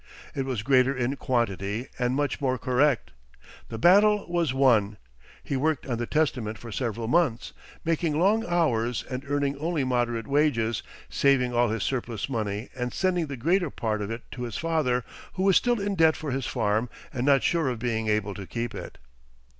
It was greater in quantity and much more correct. The battle was won. He worked on the Testament for several months, making long hours and earning only moderate wages, saving all his surplus money, and sending the greater part of it to his father, who was still in debt for his farm and not sure of being able to keep it.